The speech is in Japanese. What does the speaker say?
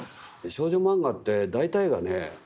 少女漫画って大体がね